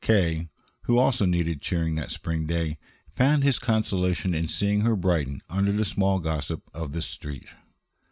K., who also needed cheering that spring day, found his consolation in seeing her brighten under the small gossip of the Street.